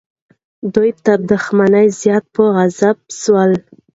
دوی تر دښمن زیات په عذاب سول.